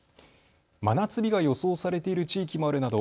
真夏日が予想されている地域もあるなど